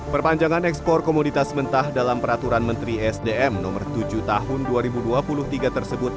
perpanjangan ekspor komoditas mentah dalam peraturan menteri sdm nomor tujuh tahun dua ribu dua puluh tiga tersebut